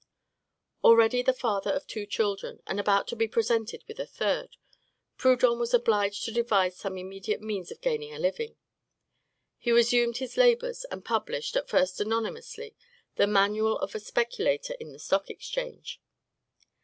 Already the father of two children, and about to be presented with a third, Proudhon was obliged to devise some immediate means of gaining a living; he resumed his labors, and published, at first anonymously, the "Manual of a Speculator in the Stock Exchange."